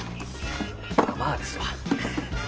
まあまあですわ。